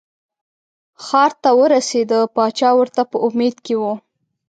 ښار ته ورسېده پاچا ورته په امید کې و.